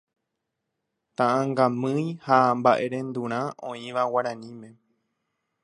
Ta'ãngamýi ha mba'erendurã oĩva guaraníme